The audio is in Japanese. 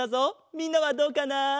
みんなはどうかな？